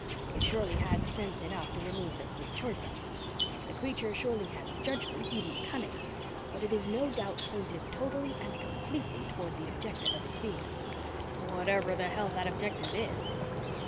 They surely had sense enough to remove the free choice element. The creature surely has judgment, even cunning, but it is no doubt pointed totally and completely toward the objective of its being." "Whatever the hell that objective is!"